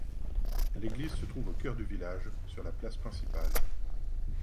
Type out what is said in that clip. L'église se trouve au cœur du village, sur la place principale.